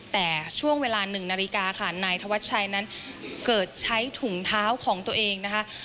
แต่ช่วงเวลา๑นาฬิกาค่ะนายธวัชชัยนั้นเกิดใช้ถุงเท้าของตัวเองนะคะ